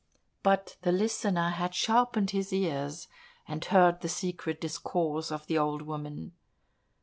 But the Listener had sharpened his ears, and heard the secret discourse of the old woman.